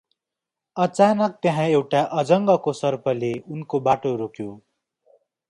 अचानक त्यहाँ एउटा अजङ्गको सर्पले उनको बाटो रोक्यो ।